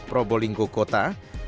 diberi penyelesaian di belakang